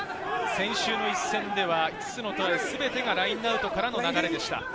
先週の一戦では、５つのトライ全てがラインアウトからの流れでした。